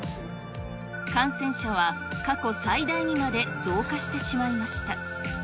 感染者は過去最大にまで増加してしまいました。